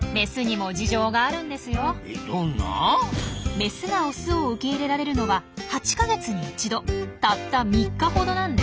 メスがオスを受け入れられるのは８か月に１度たった３日ほどなんです。